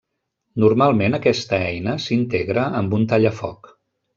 Normalment aquesta eina s'integra amb un tallafoc.